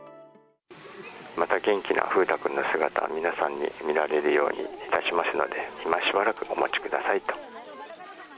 また元気な風太君の姿を皆さんに見られるようにいたしますので、今しばらくお待ちくださいと。